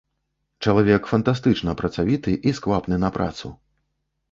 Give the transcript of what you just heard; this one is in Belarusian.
Чалавек фантастычна працавіты і сквапны на працу.